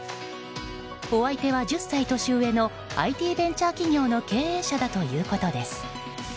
お相手は、１０歳年上のＩＴベンチャー企業の経営者だということです。